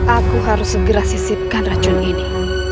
aku harus segera sisipkan racun ini